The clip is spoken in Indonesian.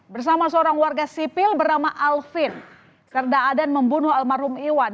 bersama seorang warga sipil bernama alvin serda adan membunuh almarhum iwan